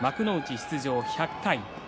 出場１００回。